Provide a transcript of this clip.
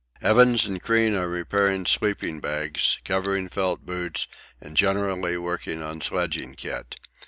Evans and Crean are repairing sleeping bags, covering felt boots, and generally working on sledging kit.